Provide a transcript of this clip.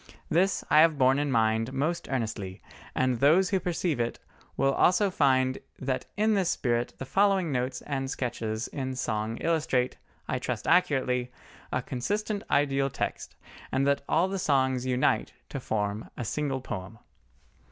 This I have borne in mind most earnestly, and those who perceive it will also find that in this spirit the following notes and sketches in song illustrate, I trust accurately, a consistent ideal text, and that all the songs unite to form a single poem.